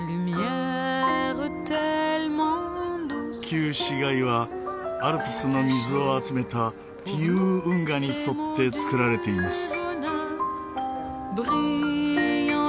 旧市街はアルプスの水を集めたティウー運河に沿って造られています。